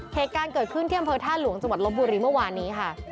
เหตุการณ์เกิดขึ้นที่อำเภอท่าหลวงจังหวัดลบบุรีเมื่อวานนี้ค่ะ